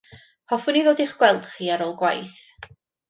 Hoffwn i ddod i'ch gweld chi ar ôl gwaith.